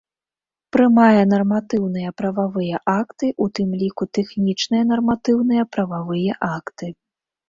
Прымае нарматыўныя прававыя акты, у тым лiку тэхнiчныя нарматыўныя прававыя акты.